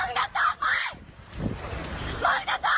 มีผู้ชายคนหนึ่งขี่มามีผู้ชายคนหนึ่งขี่มา